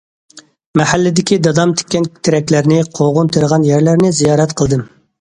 مەھەللىدىكى دادام تىككەن تېرەكلەرنى، قوغۇن تېرىغان يەرلەرنى، زىيارەت قىلدىم.